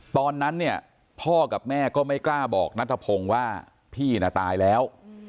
ตอนนั้นเนี่ยพ่อกับแม่ก็ไม่กล้าบอกนัทพงศ์ว่าพี่น่ะตายแล้ว